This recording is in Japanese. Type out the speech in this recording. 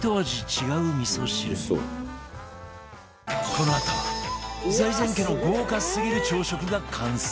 このあと財前家の豪華すぎる朝食が完成！